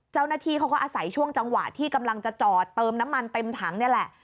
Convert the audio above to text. เจ้าหน้าที่เขาก็อาศัยช่วงจังหวะที่กำลังจะจอดเติมน้ำมันเต็มถังนี่แหละ